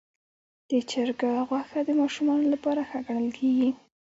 د چرګ غوښه د ماشومانو لپاره ښه ګڼل کېږي.